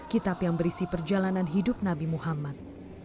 kitab yang berisi perjalanan hidup nabi muhammad